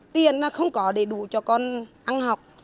tiền không có đầy đủ cho con ăn học